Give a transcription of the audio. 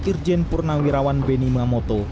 irjen purnawirawan beni mamoto